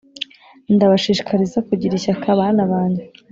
ndabashishikariza kugira ishyaka bana banjye